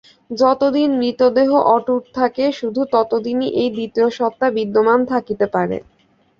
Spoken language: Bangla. যতদিন মৃতদেহ অটুট থাকে, শুধু ততদিনই এই দ্বিতীয় সত্তা বিদ্যমান থাকিতে পারে।